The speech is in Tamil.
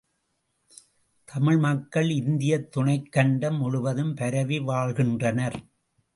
தமிழ் மக்கள் இந்தியத் துணைக் கண்டம் முழுவதும் பரவி வாழ்கின்றனர்.